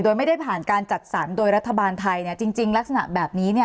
โดยไม่ได้ผ่านการจัดสรรโดยรัฐบาลไทยเนี่ยจริงลักษณะแบบนี้เนี่ย